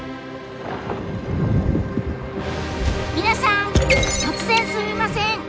皆さん突然すみません